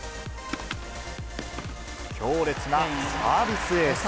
強烈なサービスエース。